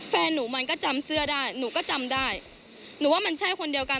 แฟนหนูมันก็จำเสื้อได้หนูก็จำได้หนูว่ามันใช่คนเดียวกัน